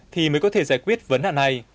thì mới có thể giải quyết vấn hạn này